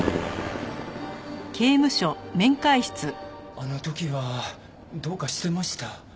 あの時はどうかしていました。